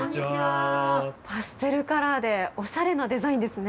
パステルカラーでおしゃれなデザインですね。